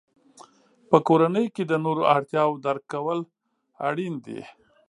په کورنۍ کې د نورو اړتیاوو درک کول اړین دي.